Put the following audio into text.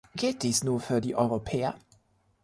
Gilt dies nur für die Europäer?